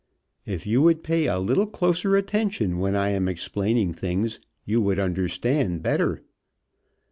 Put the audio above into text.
If you would pay a little closer attention when I am explaining things you would understand better.